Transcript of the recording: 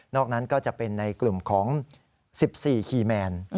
นั้นก็จะเป็นในกลุ่มของ๑๔คีย์แมน